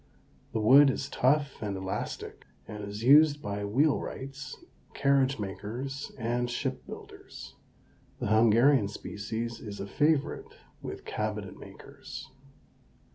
The wood is tough and elastic, and is used by wheel wrights, carriage makers, and ship builders. The Hungarian species is a favorite with cabinet makers.